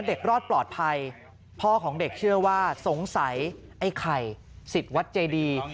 รอดปลอดภัยพ่อของเด็กเชื่อว่าสงสัยไอ้ไข่สิทธิ์วัดเจดี